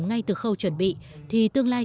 ngay từ khâu chuẩn bị thì tương lai